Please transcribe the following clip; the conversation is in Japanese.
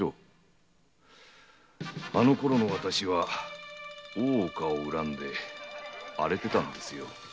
あのころの私は大岡を恨んで荒れてたんですよ。